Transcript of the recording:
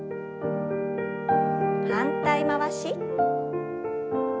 反対回し。